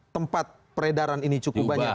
tempat peredaran ini cukup banyak